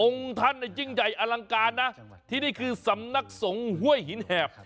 องค์ท่านในจิ้งใจอลังการที่นี่คือสำนักสงศ์ห้วยหิ้นแหบ